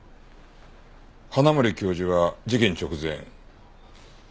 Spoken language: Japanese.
花森教授は事件直前。